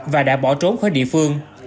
và đã bỏ trốn khỏi địa phương